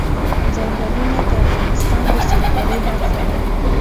ځنګلونه د افغانستان د سیلګرۍ برخه ده.